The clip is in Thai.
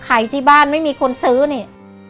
ขายที่บ้านไม่มีคนซื้อนี่